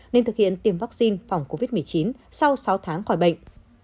nên thực hiện tiêm vaccine phòng covid một mươi chín sau sáu tháng khỏi bệnh